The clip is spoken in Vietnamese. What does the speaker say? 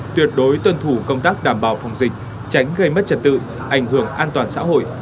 tuyệt đối tuân thủ công tác đảm bảo phòng dịch tránh gây mất trật tự ảnh hưởng an toàn xã hội